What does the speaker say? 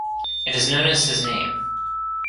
It is known as his name.